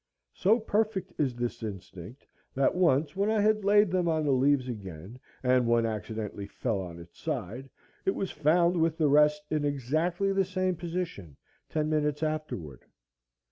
So perfect is this instinct, that once, when I had laid them on the leaves again, and one accidentally fell on its side, it was found with the rest in exactly the same position ten minutes afterward.